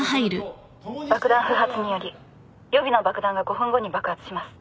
爆弾不発により予備の爆弾が５分後に爆発します。